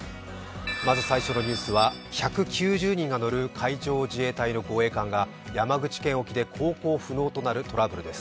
まず最初のニュースは１９０人が乗る海上自衛隊の護衛艦が山口県沖で航行不能となるトラブルです。